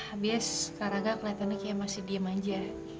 abis karangga keliatan kayak masih diem aja